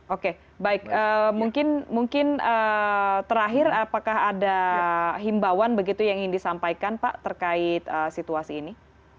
oke baik mungkin terakhir apakah ada himbawan begitu yang ingin disampaikan pak terkait situasi ini